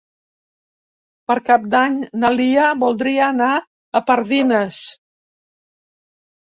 Per Cap d'Any na Lia voldria anar a Pardines.